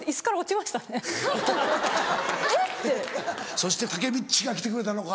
そしてタケミっちが来てくれたのか。